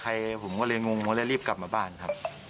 ผมก็เลยงงก็เลยรีบกลับมาบ้านครับ